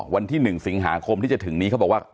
วันที่๑สิงหาคมที่จะถึงนี้เขาบอกว่า